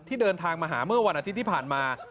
เดินทางมาหาเมื่อวันอาทิตย์ที่ผ่านมา